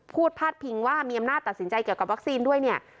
พาดพิงว่ามีอำนาจตัดสินใจเกี่ยวกับวัคซีนด้วยเนี่ย